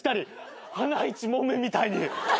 花いちもんめみたいに。